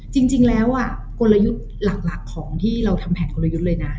จริงแล้วกลยุทธ์หลักของที่เราทำแผนกลยุทธ์เลยนะ